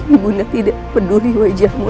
ibunya tidak peduli wajahmu